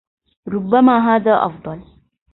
ربّما هذا فاضل.